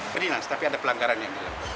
berdinas tapi ada pelanggarannya